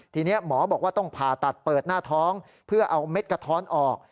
ทีนี้หมอบอกว่าต้องผ่าตัดเปิดหน้าท้องเพื่อเอาเม็ดกระท้อนออก